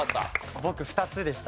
僕２つでした。